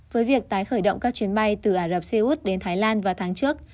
với việc tái khởi động các chuyến bay từ ả rập xê út đến thái lan vào tháng trước